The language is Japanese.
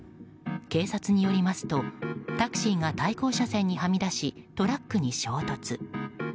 警察によりますとタクシーが対向車線にはみ出しトラックに衝突。